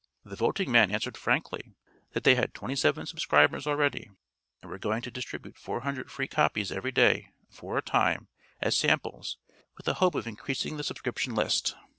The voting man answered frankly that they had 27 subscribers already and were going to distribute 400 free copies every day, for a time, as samples, with the hope of increasing the subscription list.